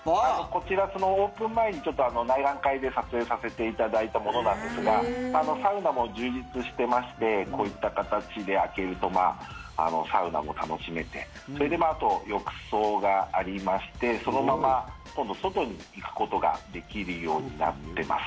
こちら、オープン前に内覧会で撮影させていただいたものですがサウナも充実してましてこういった形で、開けるとサウナも楽しめてそれであと、浴槽がありましてそのまま今度、外に行くことができるようになってます。